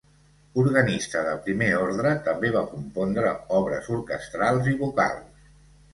Organista de primer ordre, també va compondre obres orquestrals i vocals.